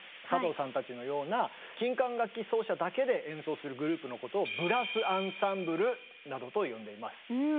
佐藤さんたちのような金管楽器奏者だけで演奏するグループのことを「ブラス・アンサンブル」などと呼んでいます。